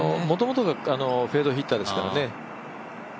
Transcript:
もともとがフェードヒッターですからね。